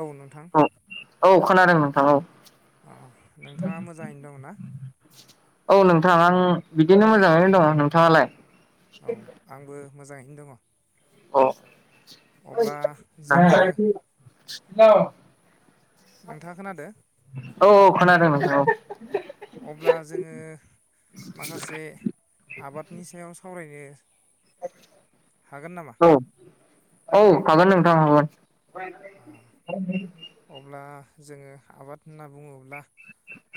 औ नोंथां औ [unintelligible] अ नोंथाङा मोजाङैनो दं ना [unintelligible] आं बिदिनो मोजाङैनो दङ नोंथाङालाय। औ आंबो मोजाङैनो दङ। अ अब्ला जोङो [unintelligible] नोंथाङा खोनादों औ औ [unintelligible] अब्ला जोङो माखासे आबादनि सायाव सावरायनो हागोन नामा? औ औ हागोन नोंथां हागोन। [unintelligible] ओ अब्ला जोङो आबाद होनना बुङोब्ला।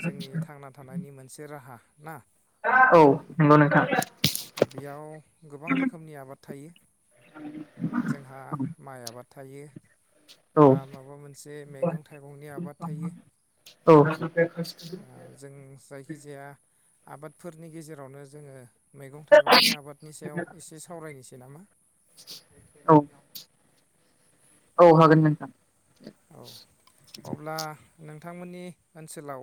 जोंनि थांना थानायनि मोनसे राहा ना औ नंगौ नोंथां। बेयाव गोबां रोखोमनि आबाद थायो जोंहा माइ आबाद थायो औ बा माबा मोनसे मैगं थाइगंनि आबाद थायो। औ जों जायखिजाया आबादफोरनि गेजेरावनो जोङो मैगं-थाइगंनि आबादनि सायाव एसे सावरायनोसै नामा? औ औ हागोन नोंथां। अब्ला नों नोंथांमोननि ओनसोलाव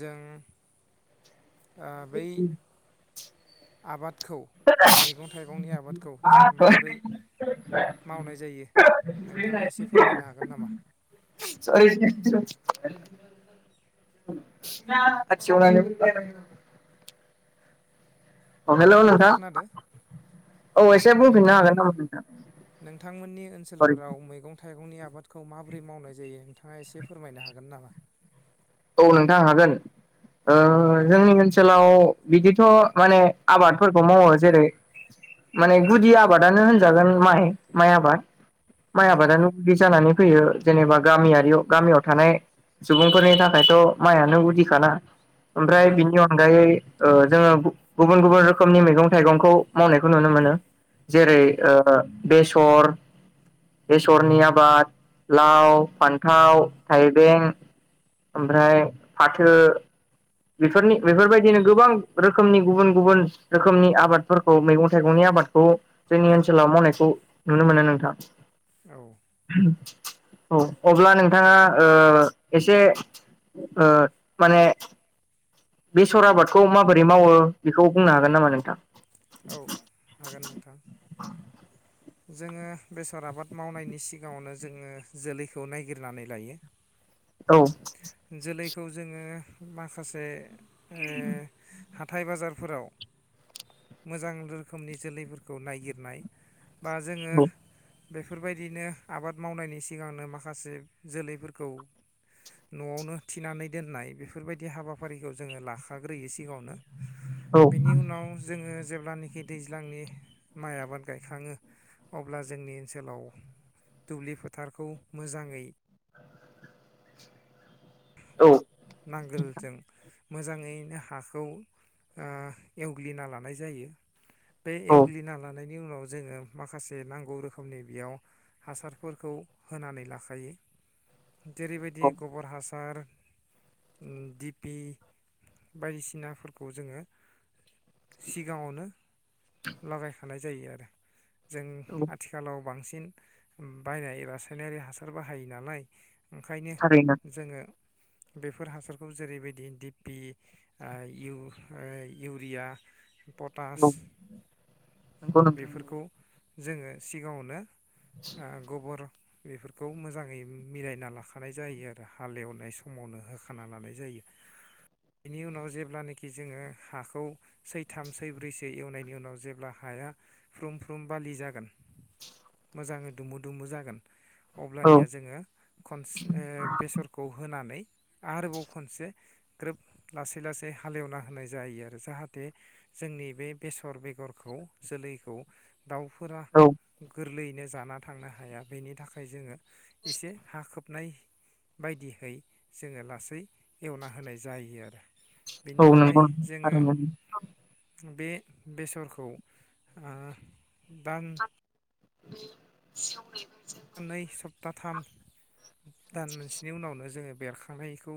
जों ओ बै आबाद खौ मैगं-थाइगंनि आबादखौ जों माबोरै मावनाय जायो नोंथाङा एसे फोरमायनो हागोन नामा? [unintelligible] औ हेलौ नोंथां नोंथाङा खोनादों औ एसे बुंफिननो हागोन नोंथांमोननि नामा नोंथां नोंथांमोननि सरि ओनसोलफोराव मैगं-थाइगं मैगं-थाइगंनि आबादखौ माबोरै मावनाय जायो नोंथाङा एसे फोरमायनो हागोन नामा? औ नोंथां हागोन ओ जोंनि ओनसोलाव बिदिथ' माने आबादफोरखौ मावो जेरै माने गुदि आबादानो होनजागोन माइ माइ आबाद। माइ औ आबादानो बिदि जानानै फैयो। जेनेबा गामियारियाव गामियाव थानाय सुबुंफोरनि थाखाय ओमफ्रायथ' माइआनो गुदिखाना। ओमफ्राय नंगौ बिनि अनगायै। ओ जोङो गुबुन-गुबुन रोखोमनि मैगं थाइगंखौ मावनायखौ नुनो मोनो। औ जेरै ओ बेसर बेसरनि आबाद लाव फान्थाव थाइबें। ओमफ्राय फाथो बेफोरनि बेफोरबायदिनो गोबां रोखोमनि गुबुन-गुबुन रोखोमनि आबादफोरखौ मैगं थाइगंनि आबादखौ जोंनि ओनसोलाव मावनायखौ नुनो मोनो नोंथां। औ [inaudible] औ अब्ला नोंथांङा ओ एसे ओ माने बेसर आबादखौ माबोरै मावो बेखौ बुंनो हागोन नामा नोंथां? औ हागोन नोंथां। जोङो बेसर आबाद मावनायनि सिगाङावनो जोङो जोलैखौ नायगिरनानै लायो। औ खौ जोङो माखासे उ [inaudible] हाथाय बाजारफोराव मोजां रोखोमनि जोलैफोरखौ नायगिरनाय बा जोङो बेफोरबायदिनो आबाद मावनायनि सिगांनो माखासे जोलैफोरखौ न'आवनो थिनानै दोननाय बेफोरबायदि हाबाफारिखौ जोङो लाखाग्रोयो सिगाङावनो। बेनि उनाव जोङो जेब्लानोखि दैज्लांनि माइ आबाद गायखाङो अब्ला जोंनि ओनसोलाव दुब्लि फोथारखौ मोजाङै औ नांगोलजों। मोजाङैनो हाखौ ओ एवग्लिना लानाय जायो। बे औ एवग्लिना लानाय। बिनि उनाव जोङो माखासे नांगौ रोखोमनि बेयाव हासारफोरखौ होनानै लाखायो। औ जेरैबायदि गोबोर हासार। दिपि बायदिसिनाफोरखौ जोङो सिगाङावनो। लागाय। हानाय जायो आरो। जों औ आथिखालाव बांसिन। बांसिन बायनाय रासायनारि हासार बाहायो नालाय‌। ओंखायनो थारैनो जोङो। बेफोर हासारखौ जेरैबायदि डपि इउरिया। पटास औ नंगौ नोंथां बेफोरखौ। जोङो सिगाङावनो ओ गबोर बेफोरखौ मोजाङै मिलायना लाखानाय जायो आरो हालेवनाय सम समावनो होखाना लानाय जायो बेनि उनाव जेब्लानोाखि जोङो हाखौ सैथाम सैब्रैसो एवनायनि उनाव जेब्ला हाया फ्रुम फ्रुम बालि जागोन मोजाङै दुमु दुमु जागोन औ अब्लानिया जोङो खनसे बेसरखौ होनानै आरोबाव खनसे ग्रोब लासै लासै हालेवना होनाय जायो आरो जाहाथे जोंनि बे बेसर बेगरखौ जोलैखौ दाउफोरा औ गोरलै नो जाना थांनो हाया बेनि थाखाय जोङो एसे हा खोबनाय बायदिहै जोङो लासै एवना होनाय जायो आरो औ बेनिफ्राय नंगौ जोङो आरो [inaudible] बे बेसरखौ ओ दां बे सउ [inaudible] नै सब [inaudible] दथाम [inaudible] दान मोनसेनि उनावनो जोङो। बेरखांनायखौ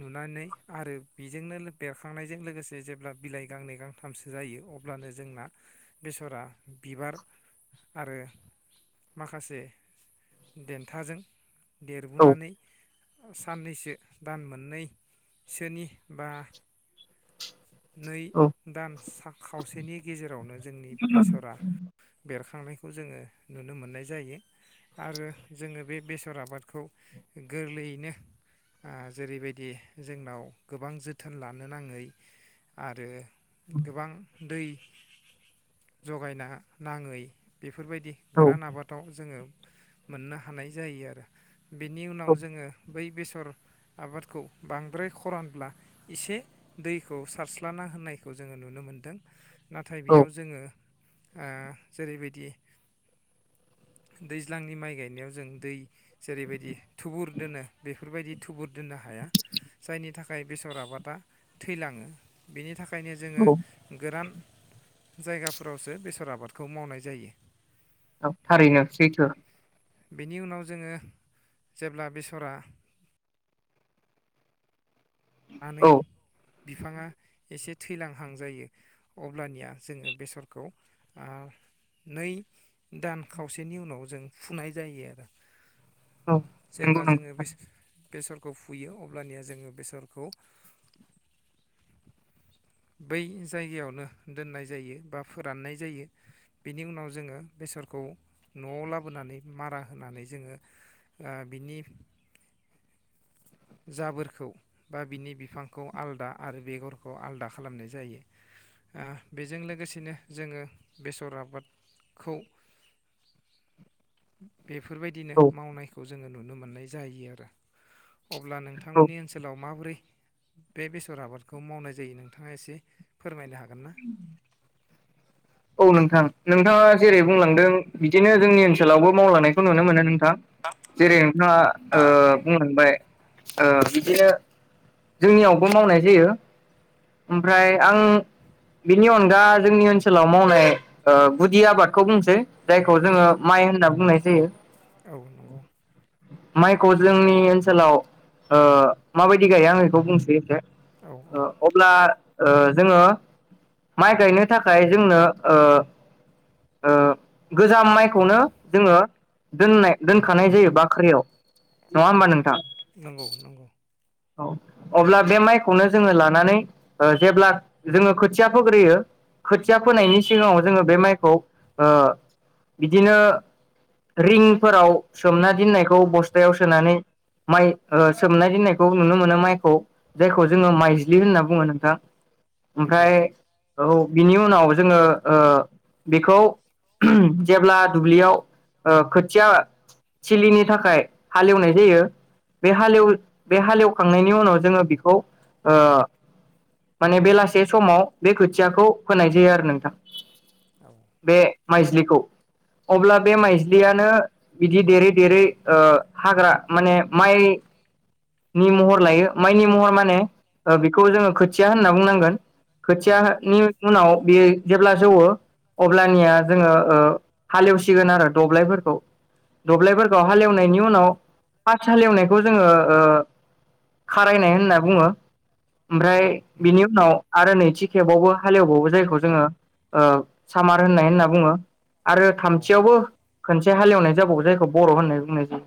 नुनानै आरो बेजोंनो बेरखांनायजों लोगोसे जेब्ला बिलाइ गांनै गांथामसो जायो अब्लानो जोंना बेसरा बिबार आरो माखासे देन्थाजों औ देरबोनानै- साननैसो दान मोननैसोनि बा नै औ दान खावसेनि गेजेरावनो जोंनि बेसरा बेरखां [inaudible] थांनायखौ जोङो नुनो मोननाय जायो आरो जोङो बे बेसर आबादखौ गोरलैयैनो जेरैबायदि जोंनाव गोबां जोथोन लानो नाङै आरो गोबां दै जगायना नाङै बेफोरबायदि औ गोरान आबादाव जोङो मोननो हानाय जायो आरो बिनि उनाव जोङो बै बेसर आबादखौ बांद्राय खरानब्ला एसे दैखौ सारस्ला खफ्लाना [inaudible] होननायखौ जोङो नुनो मोन्दों नाथाय औ बेयाव जोङो ओ जेरैबायदि दैज्लांनि माइ गायनायाव जों दै जेरैबायदि थुबुर दोनो बेफोरबायदि थुबुर दोननो हाया जायनि थाखाय बेसर आबादा थैलाङो बेनि थाखाय बेखायनो जोङो गोरान जायगाफोरावसो बेसर आबादखौ मावनाय जायो औ थारैनो सैथो बेनि उनाव जोङो जेब्ला बेसरा सानै औ बिफाङा एसे थैलांहां जायो अब्लानिया जोङो बेसरखौ ओ नै दान खावसेनि उनाव जों फुनाय जायो आरो औ नोंंगौ जेब्ला जोङो नोंथां बेसरखौ फुयो अब्लानिया जोङो बेसर खौ बै जायगायावनो दोननाय जायो बा फोराननाय जायो बेनि उनाव जोङो बेसरखौ न'आव लाबोनानै मारा होनानै जोङो ओ बिनि जाबोरखौ बा बिनि बिफांखौ आलादा आरो बेगरखौ आलादा खालामनाय जायो ओ बेजों लोगोसेनो जोङो बेसर आबादखौ बेफोरबायदिनो औ मावनायखौ जों नुनो मोननाय जाहैयो आरो अब्ला नोंथांमोननि एन्सार बोरै बे बेसर आबादखौ मावनाय जायो नोंथाङा एसे फोरमायनो हागोन [unintelligible] औ नोंथां नोंथाङा जेरै बुंलांदों बिदिनो जोंनि ओनसोलावबो मावलांनायखौ नुनो मोनो नों नोंथां जेरै नोंथाङा बुंलांबाय ओ बिदिनो जोंनियावबो मावनाय जायो ओमफ्राय आं बिनि अनगा जोंनि ओनसोलाव ओनसोलाव मावनाय गुदि आबादखौ बुंसै जायखौ औ जोङो माइ होननानै बुंनाय जायो औ माइखौ जोंनि ओनसोलाव ओ माबायदि गायो आं बेखौ बुंसै एसे औ औ ओ अब्ला जोङो माइ गायनो थाखाय थाखाय जोंनो ओ ओ गोजाम माइखौनो जोङो दोननाय दोनखानाय जायो बाख्रियाव। नङा होमबा नोंथां नंगौ नंगौ औ अब्ला बे माइखौनो जोङो लानानै ओ जेब्ला जोङो खोथिया फोग्रोयो। खोथिया फोनायनि सिगाङाव जोङो बे माइखौ ओ बिदिनो रिंफोराव सोमना दोननायखौ बस्थायाव सोनानै माइखो सोमना दोननायखौ नुनो मोनो माइखौ जायखौ जोङो माइज्लि होनना बुङो नोंथां। नंगौ ओमफ्राय औ बिनि उनाव जोङो ओ बेखौ जेब्ला दुब्लियाव ओ खोथिया थिलिनि थाखाय हालेवनाय जायो बे हालेव हालेवखांनायनि उनाव जोङो बेखौ माने बेलासे समाव बे खोथियाखौ फोनाय जायो आरो नोंथां। औ बे माइजलिखौ अब्ला बे नंगौ माइजलियानो बिदि देरै- देरै ओ हाग्रा माने माइ नि महर लायो माइनि महर माने बेखौ जोङो खोथिया होनना बुंनांगोन। औ खोथिया नि उनाव बेयो जेब्ला जौवो अब्लानिया जोङो ओ हालेवसिगोन आरो दब्लायफोरखौ दब्लायफोरखौ हालेवनायनि औ उनाव पास हालेवनायखौ बेखौ जोङो ओ खारायनाय होनना बुङो। ओमफ्राय औ नंगौ बिनि उनाव आरो नैथि खेबावबो हालेवबावो जायखौ जोङो ओ सामार होननाय होनना बुङो। आरो औ थामथियावबो खोनसे हालेवनाय जाबावो जायखौ बर' होननाय बुंनाय जायो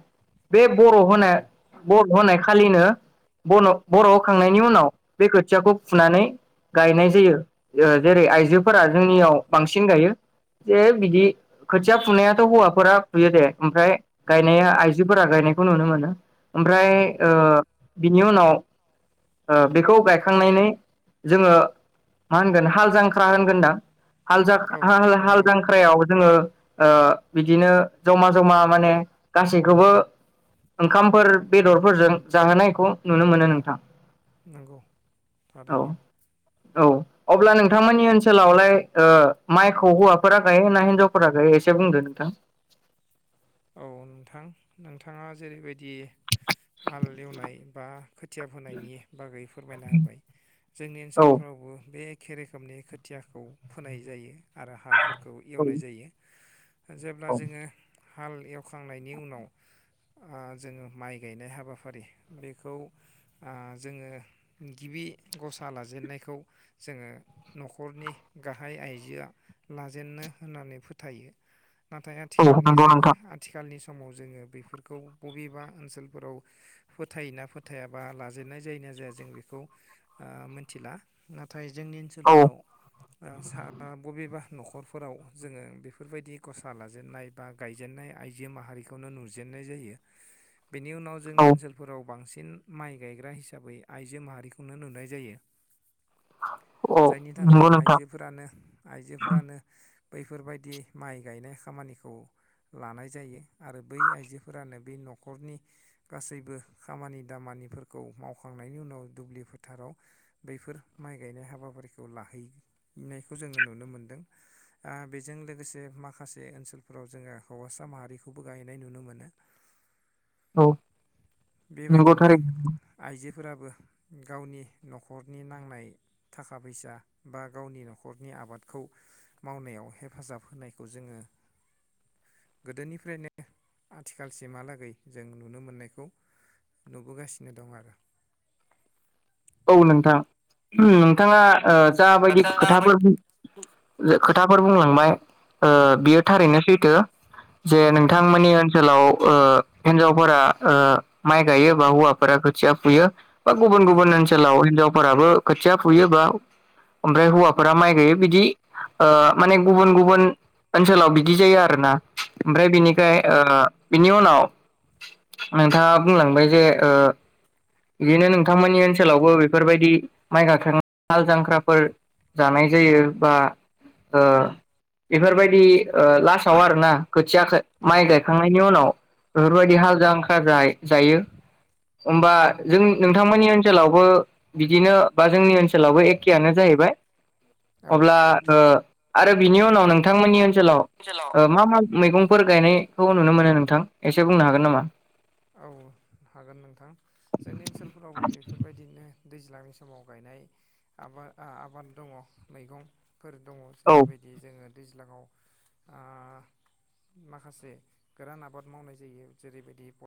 बे बर' होनाय औ ब र' होनाय। खालिनो बर' बर' होखांनायनि उनाव बे खोथियाखौ फुनानै गायनाय जायो ओ जेरै आइजोफोरा जोंनियाव बांसिन गायो जे बिदि खोथिया फुनायाथ' हौवाफोरा फुयो दे ओमफ्राय गायनाया आइजोफोरा गायनायखौ नुनो मोनो। ओमफ्राय औ बिनि उनाव ओ बेखौ गायखांनानै जोङो मा होनगोन हाल जांख्रा होनगोनदां। हाल जाखा औ हाल हाल नंगौ जांख्रायाव जोङो ओ बिदिनो जमा जमा माने गासैखौबो ओंखामफोर बेदरफोरजों जाहोनायखौ नुनो मोनो नोंथां। नोंगौ। औ थारैनो। औ अब्ला नोंथांमोननि ओनसोलावलाय ओ माइखौ हौवाफोरा गायो ना हिनजावफोरा गायो एसे बुंदो नोंथां? औ नोंथां नोंथाङा जेरैबायदि हाल एवनाय बा खोथिया फोनायनि बागै फोरमायना होबाय जोंनि औ ओनसोलफ्रावबो बे एखे रोखोमनि खोथियाखौ फोनाय जायो। आरो हालफोरखौ औ एवनाय जायो। जेब्ला औ जोङो हाल एवखांनायनि उनाव ओ जोङो माइ गायनाय हाबाफारि बेखौ ओ जोङो गिबि गसा लाजेननायखौ जोङो न'खरनि गाहाय आइजोआ लाजेनो होननानै फोथायो। नाथाय आथिखालनि नंगौ जायगा नोंथां आथिखालनि समाव जोङो बेफोरखौ बबेबा ओनसोलफोराव फोथायोना फोथाया बा लाजेननाय जायो ना जाया जों बेखौ ओ मिथिला नाथाय नाथाय जोंनि औ ओनसोलफोराव ओ सा बबेबा न'खरफोराव जोङो बेफोरबायदि गसा लाजेननाय बा गायजेननाय आइजो माहारिखौनो नुजेन्नाय जायो। बेनि उनाव औ जोंनि ओनसोलफोराव बांसिन सिन माइ गायग्रा हिसाबै आइजो माहारिखौनो नुनाय जायो। औ जायनि नंगौ थाखाय नोंथां आइजोफोरानो आइजोफोरानो बैफोरबायदि माइ गायनाय खामानिखौ लानाय जायो आरो बै आइजोफोरानो बे न'खरनि गासैबो खामानि दामानिफोरखौ मावखांनायनि उनाव दुब्लि फोथाराव बैफोर माइ गायनाय हाबाफारिखौ लाहैनायखौ जोङो नुनो मोनदों ओ बेजों लोगोसे माखासे ओनसोलफोर फोरावोबो हौवासा माहारिखौबो गायनाय नुनो मोनो। औ नंगौ बेबायदिनो थारैनो आइजो फोराबो गावनि न'खरनि नांनाय थाखा फैसा बा गावनि न'खरनि आबादखौ मावनायाव हेफाजाब होनायखौ जोङो गोदोनिफ्रायनो आथिखालसिमहालागै जों नुनो मोननायखौ नुबोगासिनो दं आरो। औ नोंथां नोंथाङा ओ जाबायदि खोथाफोर खोथाफोर बुंलांबाय ओ औ बियो थारैनो सै थो जे औ नोंथांमोननि ओनसोलाव ओ हिन्जावफोरा ओ माइ गायो बा हौवाफोरा खोथिया फुयो। बा गुबुन औ गुबुन ओन सोलाव हिनजावफोराबो खोथिया फुयो बा ओमफ्राय हौवाफोरा माइ गायो बिदि ओ माने गुबुन गुबुन ओनसोलाव बिदि जायो आरो ना। ओमफ्राय नंगौ बिनिफ्राय ओ बिनि उनाव नोंथाङा बुंलांबाय जे ओ बिदिनो नोंथांमोननि ओनसो सोलावबो बेफोरबायदि माइ गाखांबा हाल जांख्राफोर जानाय जायो बा ओ बेफोरबायदि ओ लास्टाव आरोना खोथिया माइ नंगौ गायखांनायनि उनाव बेफोरबायदि हाल जांख्रा जायो होमबा जों नोंथांमोननि ओनसो सोलावबो बिदिनो बा जोंनि ओनसोलावबो एखेआानो जाहैबाय। औ अब्ला ओ आरो बिनि उनाव नोंथांमोननि ओन सोलाव ओ मा मा मैगंफोर गायनायखौ नुनो मोनो नोंथां, एसे बुंनो हागोन नामा? औ हागोन नोंथां जोंनि ओनसोलफोरावबो बे फोरबायदिनो दैज्लांनि समाव गायनाय आबा-आबाद दङ मैगं। फोर दङ औ जेरैबायदि जोङो दैज्लाङाव आ माखासे गोरान आबाद मावनाय जायो जेरैबादि प